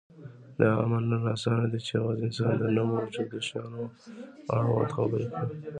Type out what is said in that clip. دا منل اسان دي، چې یواځې انسان د نه موجودو شیانو اړوند خبرې کوي.